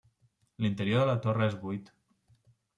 L'interior de la torre és buit.